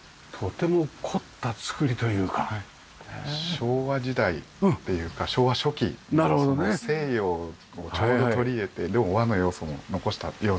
昭和時代っていうか昭和初期の西洋をちょうど取り入れてでも和の要素も残したような感じ。